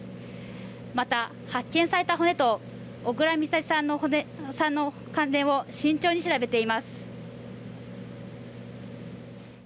また、発見された骨と小倉美咲さんの関連を慎重に調べています。